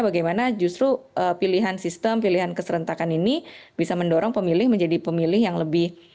bagaimana justru pilihan sistem pilihan keserentakan ini bisa mendorong pemilih menjadi pemilih yang lebih